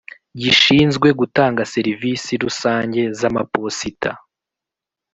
gishinzwe gutanga serivisi rusange z amaposita